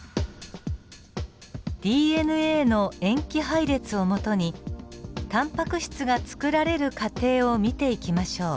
ＤＮＡの塩基配列をもとにタンパク質が作られる過程を見ていきましょう。